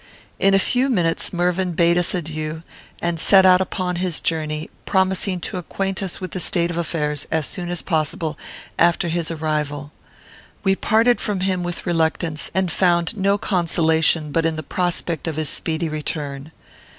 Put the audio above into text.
In a few minutes Mervyn bade us adieu, and set out upon his journey, promising to acquaint us with the state of affairs as soon as possible after his arrival. We parted from him with reluctance, and found no consolation but in the prospect of his speedy return.